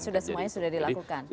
sudah semuanya sudah dilakukan